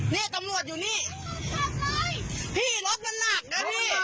เนี้ยตำรวจอยู่นี่พี่รถหนักนะ